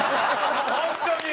本当に！